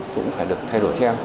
cũng phải được thay đổi theo